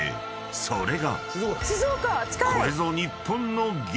［それが］